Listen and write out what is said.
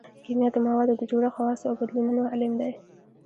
کیمیا د موادو د جوړښت خواصو او بدلونونو علم دی